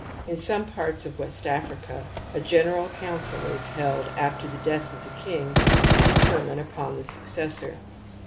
In some parts of West Africa a general council is held after the death of the king to determine upon the successor.